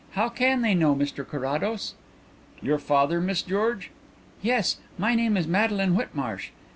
How can they know, Mr Carrados?" "Your father, Miss George?" "Yes. My name is Madeline Whitmarsh.